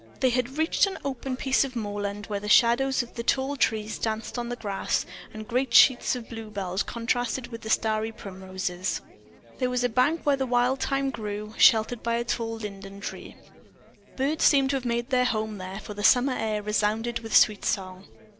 They had reached an open piece of moorland, where the shadows of the tall trees danced on the grass, and great sheets of bluebells contrasted with starry primroses. There was a bank where the wild thyme grew, sheltered by a tall linden tree. The birds seemed to have made their home there, for the summer air resounded with sweet song.